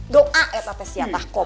doa etatesi atahko